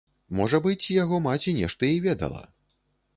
Можа быць, яго маці нешта і ведала.